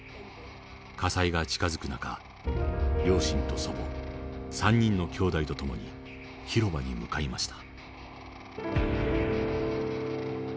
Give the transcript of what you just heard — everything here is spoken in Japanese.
火災が近づく中両親と祖母３人の兄弟と共に広場に向かいました。